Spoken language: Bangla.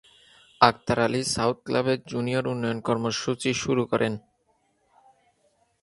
আখতার আলী সাউথ ক্লাবে জুনিয়র উন্নয়ন কর্মসূচি শুরু করেন।